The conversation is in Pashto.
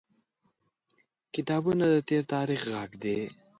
• کتابونه د تیر تاریخ غږ دی.